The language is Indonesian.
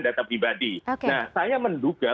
data pribadi nah saya menduga